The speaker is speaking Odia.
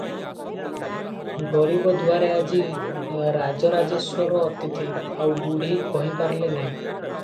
ଗରିବ ଦୁଆରେ ଆଜି ରାଜରାଜେଶ୍ୱର ଅତିଥି- ଆଉ ବୁଢ଼ୀ କହିପାରିଲେ ନାହିଁ ।